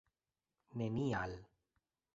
nenial